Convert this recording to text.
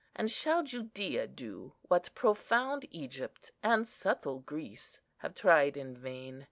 And shall Judæa do what profound Egypt and subtle Greece have tried in vain?